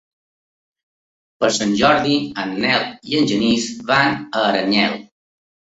Per Sant Jordi en Nel i en Genís van a Aranyel.